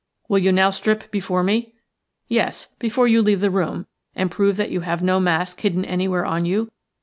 Will you now strip before me? – yes, before you leave the room, and prove that you have no mask hidden anywhere on you.